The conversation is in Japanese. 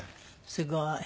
すごい。